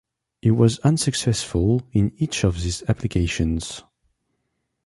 He was unsuccessful in each of these applications.